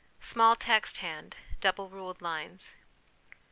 Small Text hand Double ruled Lines.